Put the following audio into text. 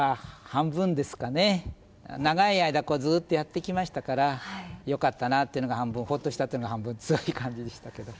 長い間ずっとやってきましたからよかったなっていうのが半分ほっとしたっていうのが半分そういう感じでしたけど。